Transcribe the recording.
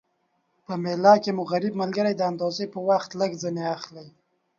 په میله کی مو غریب ملګري د انداز په وخت کي لږ ځیني اخلٸ